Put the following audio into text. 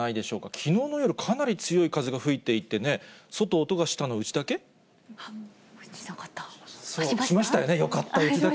きのうの夜、かなり強い風が吹いていてね、外、音がしたのうちだけ？